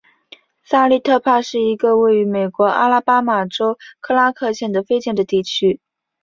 萨利特帕是一个位于美国阿拉巴马州克拉克县的非建制地区。